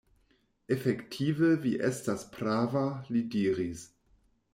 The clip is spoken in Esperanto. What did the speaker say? Efektive vi estas prava, li diris.